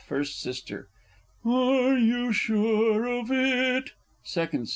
First S. Are you sure of it? _Second S.